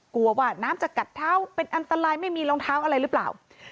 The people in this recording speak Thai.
กลัวว่าน้ำจะกัดเท้าเป็นอันตรายไม่มีรองเท้าอะไรหรือเปล่า